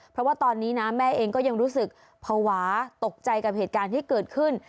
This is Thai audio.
เพราะว่าตอนนี้นะแม่เองก็ยังรู้สึกภาวะตกใจกับเหตุการณ์ที่เกิดขึ้น